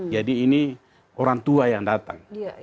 jadi ini orang tua yang datang